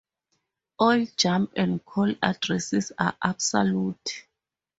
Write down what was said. All jump and call addresses are absolute.